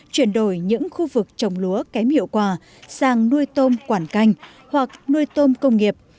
chuyển đổi những khu vực trồng lúa kém hiệu quả sang nuôi tôm quản canh hoặc nuôi tôm công nghiệp